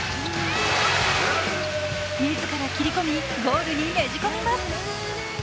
自ら、切り込みゴールにねじ込みます。